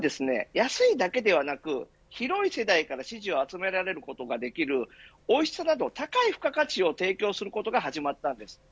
安いだけではなく広い世代から支持を集められることができるおいしさなど高い価値を提供することが始まったんです。